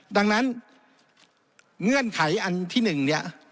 ดังนั้นเงื่อนไขอันที่๑เนี่ย